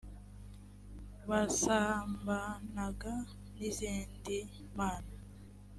basambanaga n izindi mana